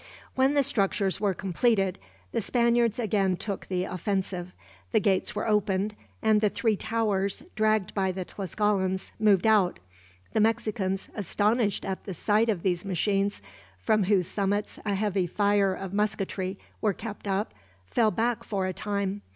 When the structures were completed, the Spaniards again took the offensive. The gates were opened, and the three towers, dragged by the Tlascalans, moved out. The Mexicans, astonished at the sight of these machines, from whose summits a heavy fire of musketry were kept up, fell back for a time.